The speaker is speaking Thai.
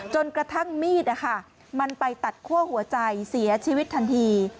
กระทั่งมีดมันไปตัดคั่วหัวใจเสียชีวิตทันที